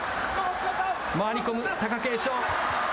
回り込む貴景勝。